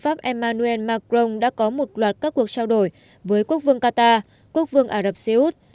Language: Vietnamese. pháp emmanuel macron đã có một loạt các cuộc trao đổi với quốc vương qatar quốc vương ả rập xê út